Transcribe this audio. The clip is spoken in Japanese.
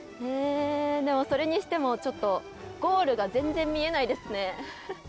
それにしても、ゴールが全然見えないですね。